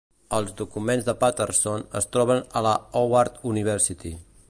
Els documents de Patterson es troben a la Howard University.